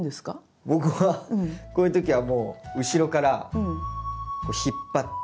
僕はこういう時はもう後ろから引っ張って。